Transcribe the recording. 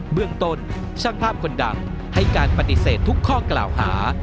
เมืองต้นช่างภาพคนดังให้การปฏิเสธทุกข้อกล่าวหา